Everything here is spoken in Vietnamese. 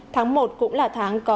tháng một cũng là tháng có